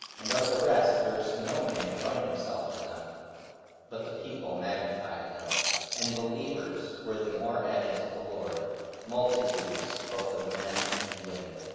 44:005:013 And of the rest durst no man join himself to them: but the people magnified them. 44:005:014 And believers were the more added to the Lord, multitudes both of men and women.)